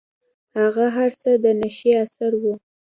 هغه هر څه د نيشې اثر و.